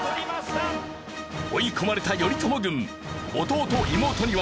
追い込まれた頼朝軍。